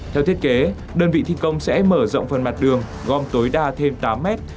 theo thiết kế đơn vị thi công sẽ mở rộng phần mặt đường gom tối đa thêm tám mét